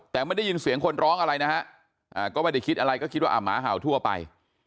แต่ไม่ได้ยินเสียงคนร้องอะไรนะฮะก็ไม่ได้คิดอะไรก็คิดว่าหมาเห่าทั่วไป